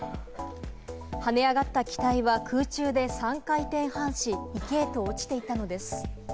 跳ね上がった機体は空中で３回転半し、池へと落ちていったのです。